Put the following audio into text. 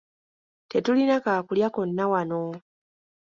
Tetulina kaakulya konna wano.